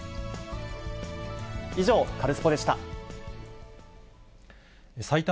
以上、カルスポっ！でした。